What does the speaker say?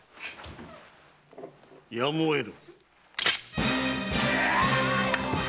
やむを得ぬ。